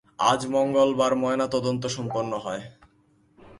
আজ মঙ্গলবার ময়নাতদন্ত সম্পন্ন হয়।